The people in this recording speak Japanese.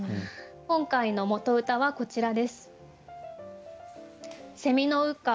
今回の元歌はこちらです。